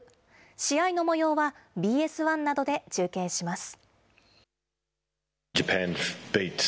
試合のもようはＢＳ１などで中継します。